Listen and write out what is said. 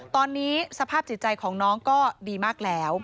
ตอนนี้สภาพจิตใจของน้องก็ดีมากแล้ว